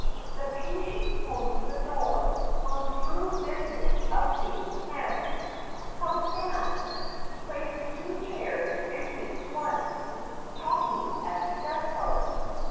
The PATIENT closes the door, goes through business of shaking hands, comes down, places two chairs and takes one, talking as he does so.